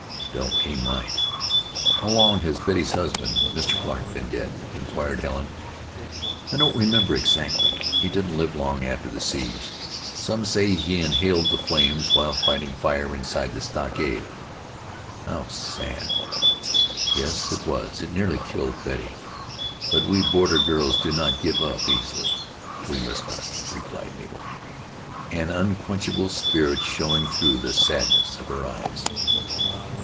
"Don't; he might." "How long has Betty's husband, Mr. Clarke, been dead?" inquired Helen. "I don't remember exactly. He didn't live long after the siege. Some say he inhaled the flames while fighting fire inside the stockade." "How sad!" "Yes, it was. It nearly killed Betty. But we border girls do not give up easily; we must not," replied Mabel, an unquenchable spirit showing through the sadness of her eyes.